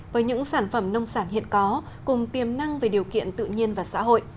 với những sản phẩm nông sản hiện có cùng tiềm năng về điều kiện tự nhiên và xã hội